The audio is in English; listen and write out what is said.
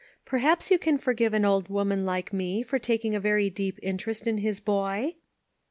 Perhaps you can forgive an old woman like me for taking a very deep interest in his boy?"